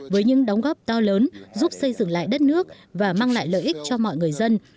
với những đóng góp to lớn giúp xây dựng lại đất nước và mang lại lợi ích cho mọi người dân